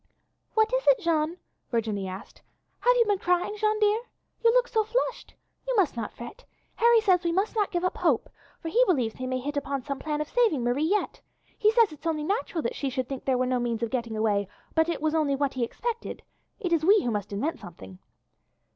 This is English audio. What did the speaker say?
"What is it, Jeanne?" Virginie asked; "have you been crying, Jeanne dear? You look so flushed. You must not fret. Harry says we must not give up hope, for that he believes he may hit upon some plan for saving Marie yet. He says it's only natural that she should think there was no means of getting away, but it was only what he expected. It is we who must invent something."